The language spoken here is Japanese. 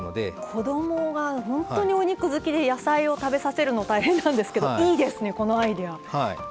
子どもが本当にお肉好きで野菜を食べさせるの大変なんですけどいいですね、このアイデア。